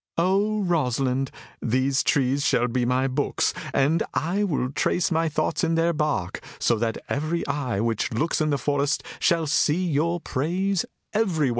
"O Rosalind, these trees shall be my books, and I will trace my thoughts in their bark, so that every eye which looks in this forest shall see your praise everywhere."